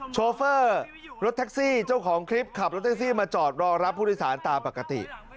โชเฟอร์รถแท็กซี่เจ้าของคลิปขับรถแท็กซี่มาจอดรอรับผู้โดยสารตามปกติ